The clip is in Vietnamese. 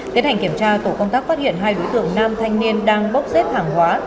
tiến hành kiểm tra tổ công tác phát hiện hai đối tượng nam thanh niên đang bốc xếp hàng hóa